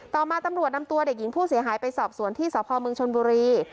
ต่อมาตำรวจนำตัวเด็กหญิงผู้เสียหายไปสอบสวนที่สพเมืองชนบุรี